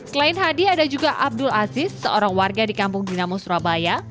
selain hadi ada juga abdul aziz seorang warga di kampung dinamo surabaya